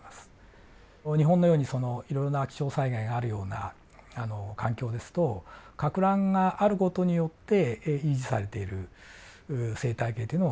日本のようにいろいろな気象災害があるような環境ですとかく乱がある事によって維持されている生態系っていうのも少なくない訳ですね。